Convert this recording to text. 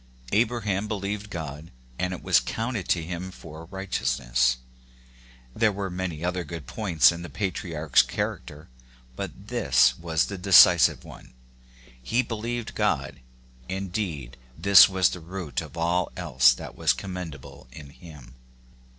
" Abraham believed God, and it ^was counted to him for righteousness :" there were many other good points in the patriarch's charac ter, but this was the decisive one, — he believed God ; indeed, this was the root of all else that was commendable in him.